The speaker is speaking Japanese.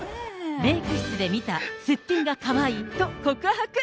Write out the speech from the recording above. メーク室で見たすっぴんがかわいいと、告白。